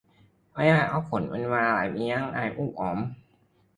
ไม่ได้พักผ่อนเป็นเวลาหลายปีจนร่างกายซูบผอม